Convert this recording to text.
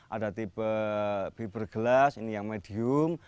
ada tipe fiberglass ini yang medium